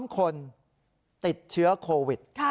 ๒คนติดเชื้อโควิด